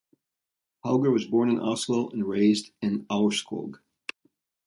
Hauger was born in Oslo and raised in Aurskog.